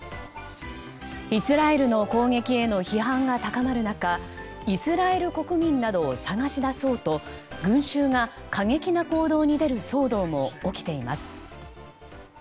イスラエルの攻撃への批判が高まる中イスラエル国民などを探し出そうと群衆が過激な行動に出る騒動も起きています。